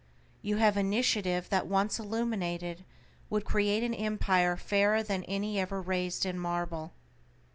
You have initiative that once illuminated would create an empire fairer than any ever raised in marble.